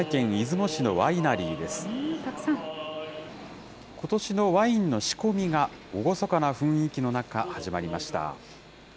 ことしのワインの仕込みが、厳かな雰囲気の中、始まりました。